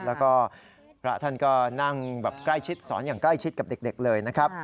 แล้วก็พระท่านก็นั่งแบบใกล้ชิดสอนอย่างใกล้ชิดกับเด็กเลยนะครับ